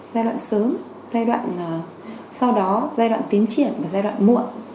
giai đoạn sớm giai đoạn sau đó giai đoạn tiến triển và giai đoạn muộn